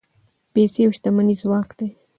پیسې او شتمني ځواک دی.